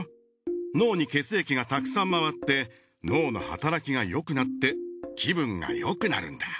脳に血液がたくさんまわって脳の働きがよくなって気分がよくなるんだ。